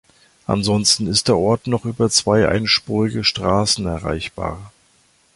Ansonsten ist der Ort noch über zwei einspurige Straßen erreichbar.